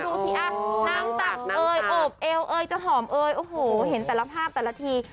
ดูสิอ่ะน้ำตับเอยโอบเอวเอยจะหอมเอยโอ้โหเห็นแต่ละภาพแต่ละที